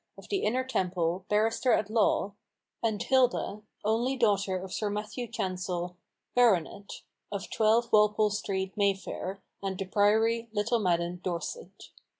of the Inner Temple, barrister at law, and Hilda, only daughter of Sir Matthew Chancel, Bart., of 12, Walpolc Street, Mayfair, and The Priory, Little Maddon, Dorset."